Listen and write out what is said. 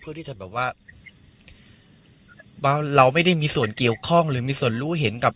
เพื่อที่จะแบบว่าเราไม่ได้มีส่วนเกี่ยวข้องหรือมีส่วนรู้เห็นกับ